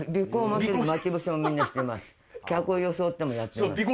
客を装ってもやってます